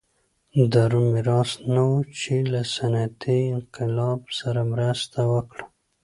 د روم میراث نه و چې له صنعتي انقلاب سره مرسته وکړه.